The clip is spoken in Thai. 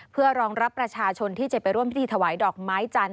เพื่อรองรับประชาชนที่จะไปร่วมพิธีถวายดอกไม้จันท